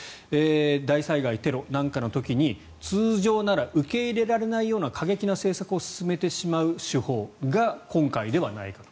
大災害、テロなんかの時に通常なら受け入れられないような過激な政策を進めてしまう手法が今回ではないかと。